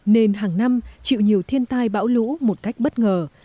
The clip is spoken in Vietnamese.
nên hàng năm chịu nhiều thiên tai bão lũ một cách bất ngờ